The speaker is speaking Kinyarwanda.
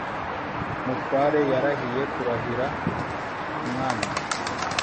umutware yarahiye kurahira umwami